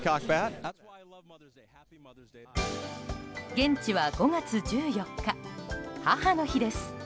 現地は５月１４日母の日です。